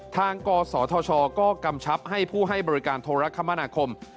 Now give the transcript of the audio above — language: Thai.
กศธชก็กำชับให้ผู้ให้บริการโทรคมนาคม